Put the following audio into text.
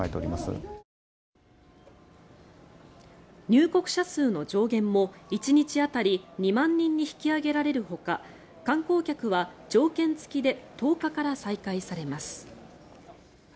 入国者数の上限も１日当たり２万人に引き上げられるほか観光客は条件付きで１０日から再開されます。